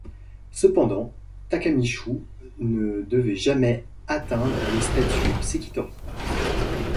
Cependant, Takamishu ne devait jamais atteindre le statut sekitori.